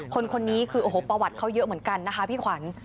คนนี้คือโอ้โหประวัติเขาเยอะเหมือนกันนะคะพี่ขวัญ